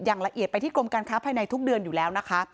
อย่างละเอียดไปที่กรมการค้าภายในทุกเดือนอยู่แล้วนะคะ